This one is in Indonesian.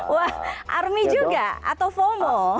wah army juga atau fomo